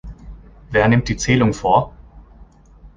Wer nimmt die Zählung vor?